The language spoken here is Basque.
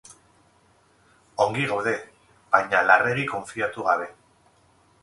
Ongi gaude, baina larregi konfiatu gabe.